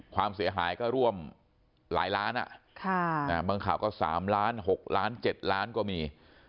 ความเสียหายก็ร่วมหลายล้านบางข่าวก็๓ล้าน๖ล้าน๗ล้านก็มี